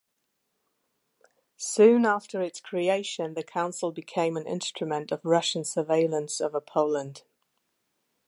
Soon after its creation, the Council became an instrument of Russian surveillance over Poland.